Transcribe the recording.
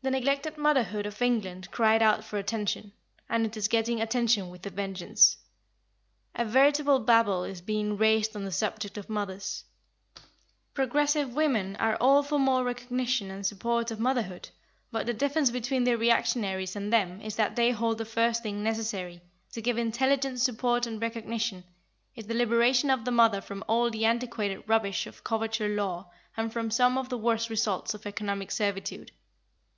The neglected motherhood of England cried out for attention, and it is getting attention with a vengeance. A veritable Babel is being raised on the subject of mothers. Progressive women are all for more recognition and support of motherhood, but the difference between the reactionaries and them is that they hold the first thing necessary, to give intelligent support and recognition, is the liberation of the mother from all the antiquated rubbish of coverture law and from some of the worst results of economic servitude.